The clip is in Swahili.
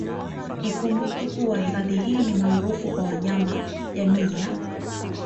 Ikumbukwe kuwa hifadhi hii ni maarufu kwa wanyama jamii ya